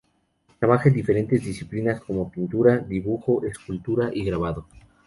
Trabaja en diferentes disciplinas como pintura, dibujo, escultura y grabado.